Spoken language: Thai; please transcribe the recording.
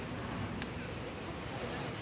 สวัสดีครับ